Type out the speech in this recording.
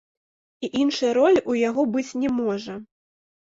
І іншай ролі ў яго быць не можа.